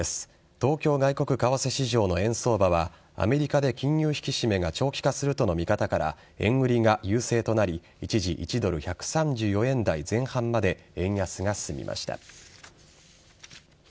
東京外国為替市場の円相場はアメリカで金融引き締めが長期化するとの見方から円売りが優勢となり一時、１ドル１３４円台前半まで円安が進みました。